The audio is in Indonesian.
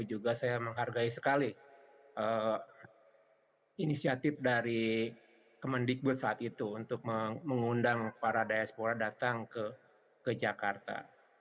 juga saya menghargai sekali inisiatif dari kemendikbud saat itu untuk mengundang para diaspora datang ke jakarta